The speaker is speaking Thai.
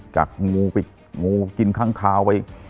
จากงูปิ๊กงูกินคังคาวไย